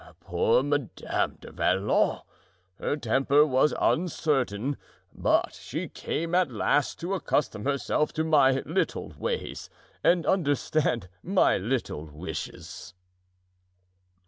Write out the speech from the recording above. Poor Madame du Vallon! her temper was uncertain, but she came at last to accustom herself to my little ways and understand my little wishes."